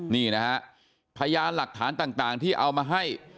นี่นะฮะพยานหลักฐานต่างที่เอามาให้